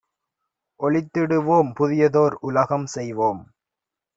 ஒழித்திடுவோம்; புதியதோர் உலகம் செய்வோம்!